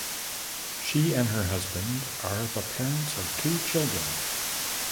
She and her husband are the parents to two children.